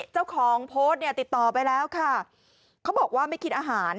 เจ้าของโพสต์เนี่ยติดต่อไปแล้วค่ะเขาบอกว่าไม่คิดอาหาร